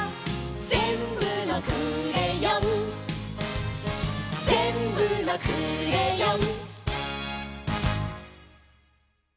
「ぜんぶのクレヨン」「ぜんぶのクレヨン」